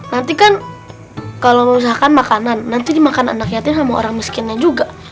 nanti kan kalau merusakan makanan nanti dimakan anak yatim sama orang miskinnya juga